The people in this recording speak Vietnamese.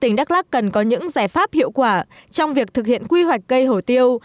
tỉnh đắk lắc cần có những giải pháp hiệu quả trong việc thực hiện quy hoạch cây hổ tiêu